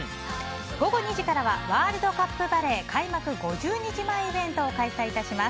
午後２時からはワールドカップバレー開幕５０日前イベントを開催します。